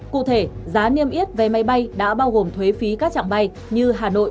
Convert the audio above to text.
cụ thể giá niêm yết vé máy bay đã bao gồm thuế phí các trạng bay như hà nội